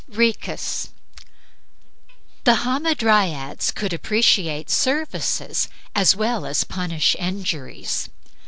RHOECUS The Hamadryads could appreciate services as well as punish injuries.